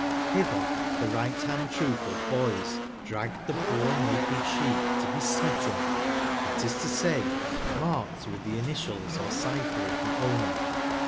Hither the right hand troop of boys dragged the poor naked sheep to be " smitten" — that is to say, marked with the initials or cypher of the owner.